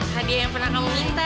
hadiah yang pernah kamu minta